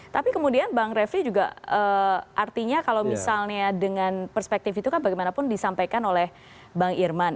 tapi kemudian bang refli juga artinya kalau misalnya dengan perspektif itu kan bagaimanapun disampaikan oleh bang irman